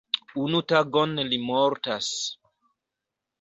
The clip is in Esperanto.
Unu tagon li mortas.